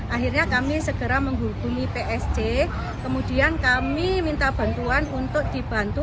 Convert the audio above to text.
akhirnya kami segera menghubungi psc kemudian kami minta bantuan untuk dibantu